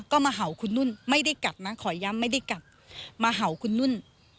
ก็มาเห่าคุณนุ่นไม่ได้กัดนะขอย้ำไม่ได้กัดมาเห่าคุณนุ่น